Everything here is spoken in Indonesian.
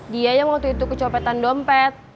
dia yang waktu itu kecopetan dompet